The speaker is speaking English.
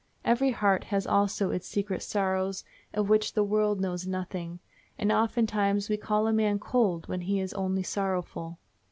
Every heart has also its secret sorrows, of which the world knows nothing, and ofttimes we call a man cold when he is only sorrowful.